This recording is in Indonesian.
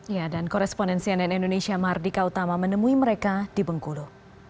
ya dan koresponen cnn indonesia mardika utama menemui mereka di bengkulu